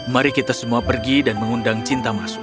mari kita semua pergi dan mengundang cinta masuk